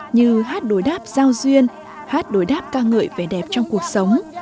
như hát đối đáp giao duyên hát đối đáp ca ngợi về đẹp trong cuộc sống